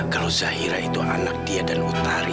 kalau zahira itu anak dia dan utari